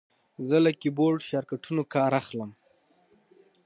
زه له کیبورډ شارټکټونو کار اخلم.